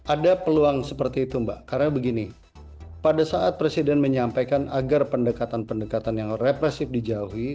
ada peluang seperti itu mbak karena begini pada saat presiden menyampaikan agar pendekatan pendekatan yang represif dijauhi